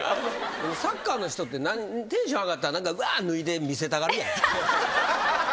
サッカーの人ってテンション上がったらワー脱いで見せたがるやん。